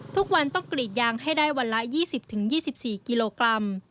ทุกวันต้องกรีดยางให้ได้วันละ๒๐๒๔กิโลกรัม